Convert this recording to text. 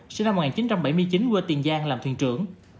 sinh năm một nghìn chín trăm bảy mươi chín quê tiền giang làm thuyền trưởng